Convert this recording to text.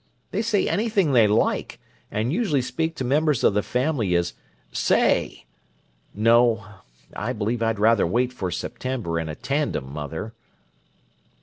They say anything they like, and usually speak to members of the family as 'Say!' No, I believe I'd rather wait for September and a tandem, mother."